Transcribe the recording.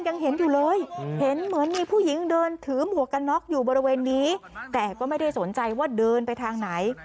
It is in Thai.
ยังเห็นอยู่เลยเห็นเหมือนมีผู้หญิงเดินถือหมวกกันน็อกอยู่บริเวณนี้แต่ก็ไม่ได้สนใจว่าเดินไปทางไหน